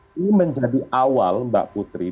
ini menjadi awal mbak putri